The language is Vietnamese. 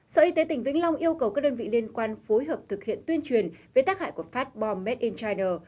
sở y tế tỉnh vĩnh long yêu cầu các đơn vị liên quan phối hợp thực hiện tuyên truyền về tác hại của phát bom made in china